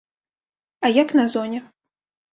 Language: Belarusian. А як на зоне?